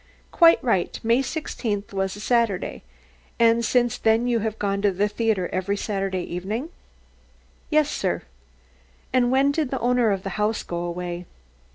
"Quite right. May sixteenth was a Saturday. And since then you have gone to the theatre every Saturday evening?" "Yes, sir. "When did the owner of the house go away?"